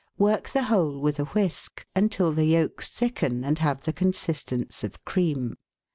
Work the whole with a whisk until the yolks thicken and have the consistence of cream.